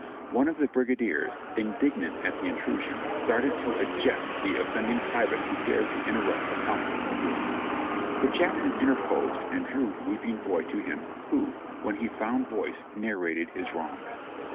One of the brigadiers, indignant at the intrusion, started to eject the offending private who dared to interrupt a council of war; but Jackson interposed and drew the weeping boy to him, who, when he found voice, narrated his wrongs.